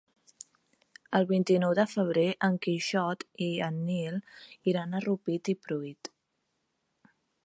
El vint-i-nou de febrer en Quixot i en Nil iran a Rupit i Pruit.